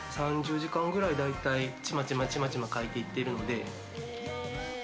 ３０時間くらい大体、ちまちま描いていってるので。